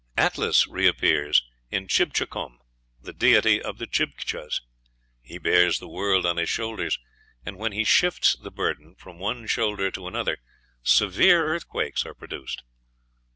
Atlas reappears in Chibchacum, the deity of the Chibchas; he bears the world on his shoulders, and when be shifts the burden from one shoulder to another severe earthquakes are produced.